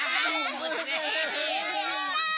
みんな！